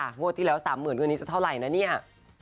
งวดที่แล้ว๓๐๐๐คืนนี้จะเท่าไหร่นะเนี่ย